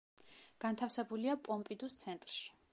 განთავსებულია პომპიდუს ცენტრში.